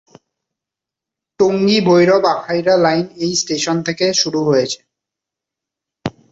টঙ্গী-ভৈরব-আখাউড়া line এই station থেকে শুরু হয়েছে।